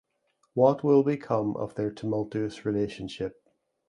What will become of their tumultuous relationship?